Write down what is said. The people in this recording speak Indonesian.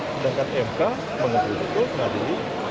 sedangkan emk pengadil pengadil